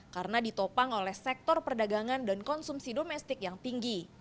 karena ditopang oleh sektor perdagangan dan konsumsi domestik yang tinggi